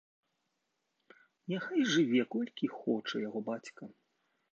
Няхай жыве, колькі хоча, яго бацька.